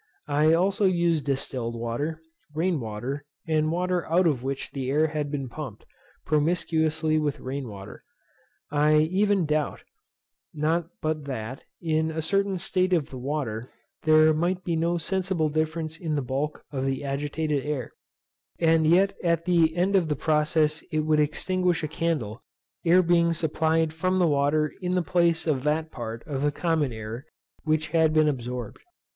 I also used distilled water, rain water, and water out of which the air had been pumped, promiscuously with rain water. I even doubt, not but that, in a certain state of the water, there might be no sensible difference in the bulk of the agitated air, and yet at the end of the process it would extinguish a candle, air being supplied from the water in the place of that part of the common air which had been absorbed.